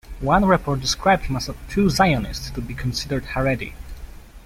One report described him as too Zionist to be considered Haredi.